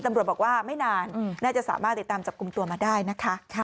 ตำรวจบอกว่าไม่นานน่าจะสามารถติดตามจับกลุ่มตัวมาได้นะคะ